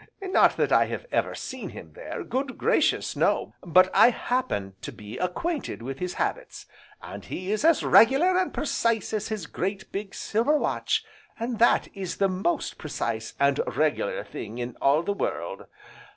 Not that I have ever seen him there, good gracious no! but I happen to be acquainted with his habits, and he is as regular and precise as his great, big silver watch, and that is the most precise, and regular thing in all the world.